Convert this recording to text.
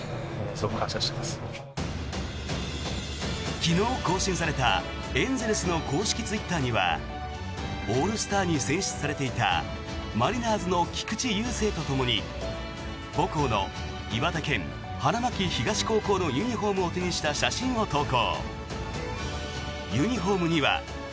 昨日更新されたエンゼルスの公式ツイッターにはオールスターに選出されていたマリナーズの菊池雄星とともに母校の岩手県・花巻東高校のユニホームを手にした写真を投稿。